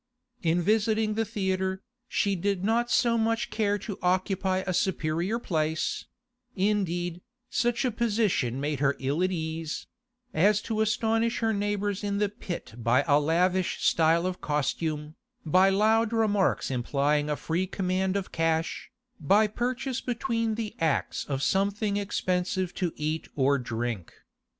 In visiting the theatre, she did not so much care to occupy a superior place—indeed, such a position made her ill at ease—as to astonish her neighbours in the pit by a lavish style of costume, by loud remarks implying a free command of cash, by purchase between the acts of something expensive to eat or drink.